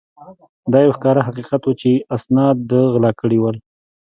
دا یو ښکاره حقیقت وو چې اسناد ده غلا کړي ول.